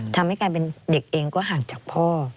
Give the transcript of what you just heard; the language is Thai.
ทำให้กลายเป็นเด็กเองก็ห่างจากพ่อ